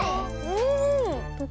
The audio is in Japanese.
うん。